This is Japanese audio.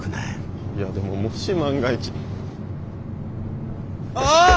いやでももし万が一あっ！